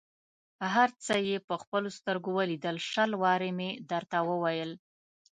هر څه یې په خپلو سترګو ولیدل، شل وارې مې درته وویل.